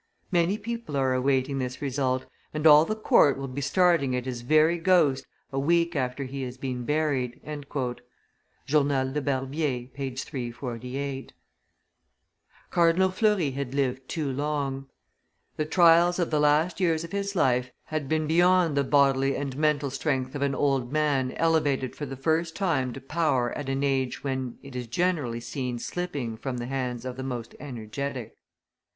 Many people are awaiting this result, and all the court will be starting at his very ghost, a week after he has been buried." [Journal de Barbier, t. ii. p. 348.] Cardinal Fleury had lived too long: the trials of the last years of his life had been beyond the bodily and mental strength of an old man elevated for the first time to power at an age when it is generally seen slipping from the hands of the most energetic.